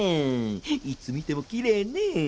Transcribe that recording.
いつ見てもきれいねえ。